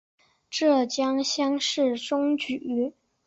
浙江乡试中举。